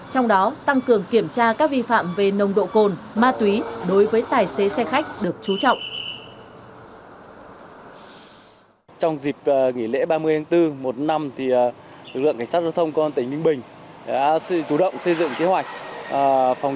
trong đó tăng cường kiểm tra các vi phạm về nồng độ cồn ma túy đối với tài xế xe khách được trú trọng